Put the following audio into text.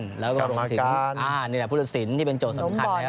กรรมการนิลักษณ์ภูติสินที่เป็นโจทย์สำคัญ